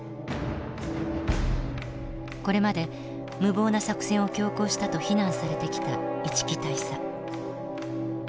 これまで無謀な作戦を強行したと非難されてきた一木大佐。